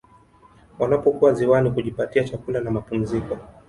Wanapokuwa ziwani kujipatia chakula na mapumziko